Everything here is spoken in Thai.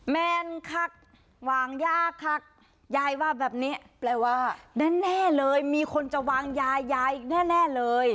แมนคักวางยาคักยายว่าแบบนี้แปลว่าแน่เลยมีคนจะวางยายายอีกแน่เลย